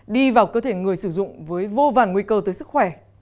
đi vào cơ thể người sử dụng với vô vàn nguy cơ tới sức khỏe